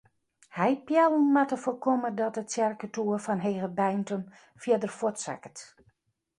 Heipeallen moatte foarkomme dat de tsjerketoer fan Hegebeintum fierder fuortsakket.